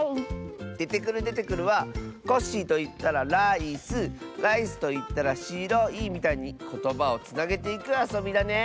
「デテクルデテクル」は「コッシーといったらライスライスといったらしろい」みたいにことばをつなげていくあそびだね！